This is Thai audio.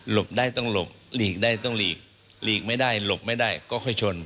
ได้ต้องหลบหลีกได้ต้องหลีกหลีกไม่ได้หลบไม่ได้ก็ค่อยชน